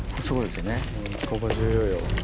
ここ重要よ。